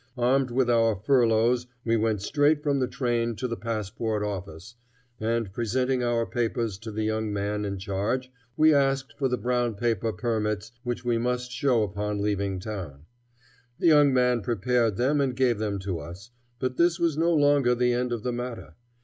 Armed with our furloughs we went straight from the train to the passport office, and presenting our papers to the young man in charge, we asked for the brown paper permits which we must show upon leaving town. The young man prepared them and gave them to us, but this was no longer the end of the matter.